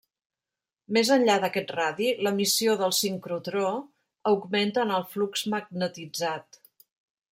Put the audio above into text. Més enllà d'aquest radi, l'emissió del sincrotró augmenta en el flux magnetitzat.